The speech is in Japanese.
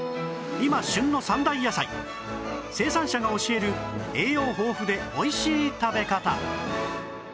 今旬の３大野菜生産者が教える栄養豊富でおいしい食べ方